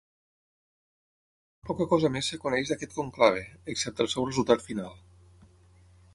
Poca cosa més es coneix d'aquest conclave, excepte el seu resultat final.